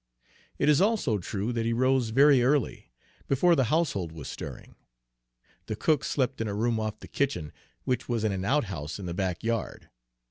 It is also true that he rose very early, before the household was stirring. The cook slept in a room off the kitchen, which was in an outhouse in the back yard.